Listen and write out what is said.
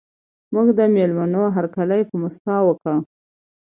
موږ د مېلمنو هرکلی په مسکا وکړ.